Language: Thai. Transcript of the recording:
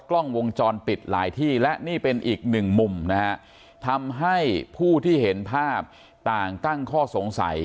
กล้องวงจรปิดหลายที่และนี่เป็นอีกหนึ่งมุมนะฮะทำให้ผู้ที่เห็นภาพต่างตั้งข้อสงสัย